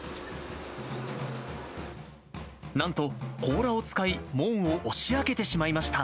なんと、甲羅を使い、門を押し開けてしまいました。